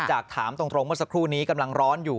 จากถามตรงเมื่อสักครู่นี้กำลังร้อนอยู่